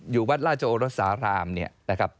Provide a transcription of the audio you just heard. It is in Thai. อยู่วัดราชโอรสารามเนี่ยนะครับ